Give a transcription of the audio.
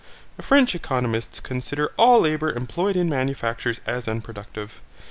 The French economists consider all labour employed in manufactures as unproductive.